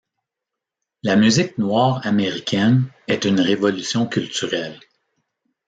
La musique noire américaine est une révolution culturelle.